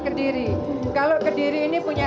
kediri kalau kediri ini punya